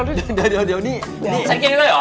เอาข้างขึ้นเขาเดี๋ยวเละ